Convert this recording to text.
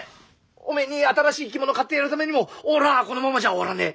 おめえに新しい着物を買ってやるためにも俺はこのままじゃ終わらねえ。